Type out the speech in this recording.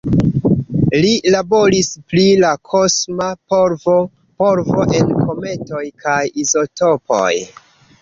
Li laboris pri la kosma polvo, polvo en kometoj kaj izotopoj.